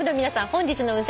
本日の運勢